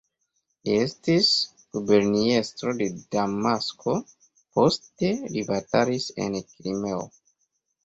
Li estis guberniestro de Damasko, poste li batalis en Krimeo.